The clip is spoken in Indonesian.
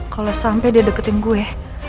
kalo sampe dia deketin gue